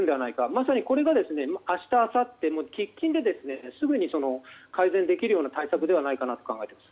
まさにこれが明日、明後日喫緊ですぐに改善できるような対策ではないかと思います。